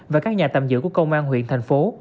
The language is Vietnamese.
và các nhà tạm giữ của công an huyện thành phố